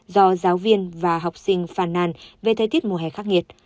do giáo viên và học sinh phan nan về thời tiết mùa hè khắc nghiệt